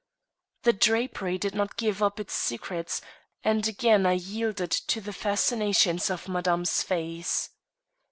The drapery did not give up its secrets, and again I yielded to the fascinations of Madame's face.